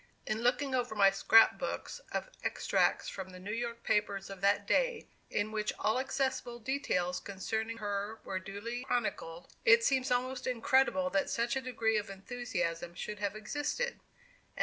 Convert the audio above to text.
In looking over my "scrap books" of extracts from the New York papers of that day, in which all accessible details concerning her were duly chronicled, it seems almost incredible that such a degree of enthusiasm should have existed.